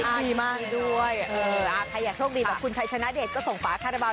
ประกาศผลทุกวันในรายการตลอดข่าว